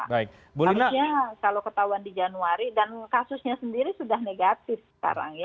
harusnya kalau ketahuan di januari dan kasusnya sendiri sudah negatif sekarang ya